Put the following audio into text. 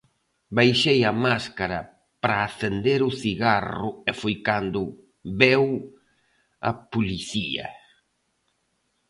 Baixei a máscara para acender o cigarro e foi cando veu a policía.